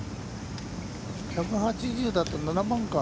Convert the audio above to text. １８０だと７番か。